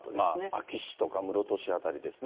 安芸市とか室戸市辺りですね。